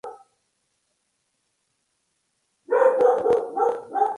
El internacional sueco firmó un contrato de cuatro años con el club italiano.